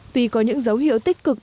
tuy có những dấu hiệu tích cực